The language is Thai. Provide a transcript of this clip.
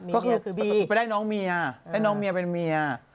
ก็คือบีไปได้น้องเมียได้น้องเมียเป็นเมีย